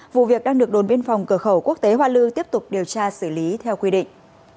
vụ việc đang được đồn biên phòng cửa khẩu quốc tế hoa lư tiếp tục điều tra xử lý theo quy định